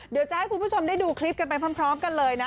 เดี๋ยวจะให้คุณผู้ชมได้ดูคลิปกันไปพร้อมกันเลยนะ